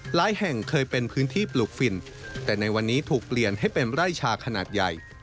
แห่งเคยเป็นพื้นที่ปลูกฝิ่นแต่ในวันนี้ถูกเปลี่ยนให้เป็นไร่ชาขนาดใหญ่